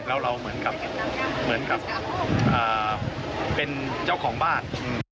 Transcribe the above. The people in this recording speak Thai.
แล้วเราเหมือนครับเป็นเจ้าของบ้าน